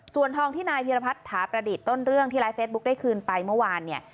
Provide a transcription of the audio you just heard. ส่วนทองที่นายพีรพัฒน์ถาประดิษฐ์ต้นเรื่องที่ไลฟ์เฟซบุ๊คได้คืนไปเมื่อวานเนี่ย